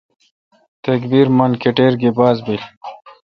تکبیر من کٹیر گی باز بیل۔